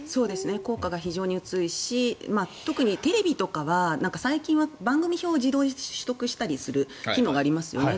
効果が非常に薄いしテレビとかは最近は番組表を自動で取得する機能がありますよね。